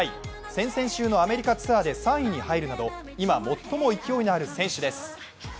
先々週のアメリカツアーで３位に入るなど、今最も勢いのある選手です。